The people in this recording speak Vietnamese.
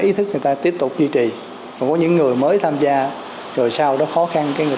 ý thức người ta tiếp tục duy trì còn có những người mới tham gia rồi sau đó khó khăn cái người